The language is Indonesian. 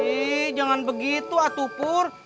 ih jangan begitu atu pur